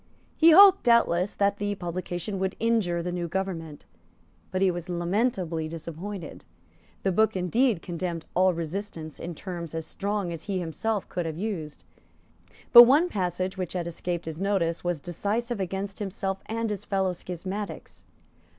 He hoped, doubtless, that the publication would injure the new government; but he was lamentably disappointed. The book indeed condemned all resistance in terms as strong as he could himself have used; but one passage which had escaped his notice was decisive against himself and his fellow schismatics.